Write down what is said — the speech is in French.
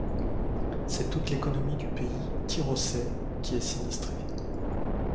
C'est toute l'économie du pays tyrossais qui est sinistrée.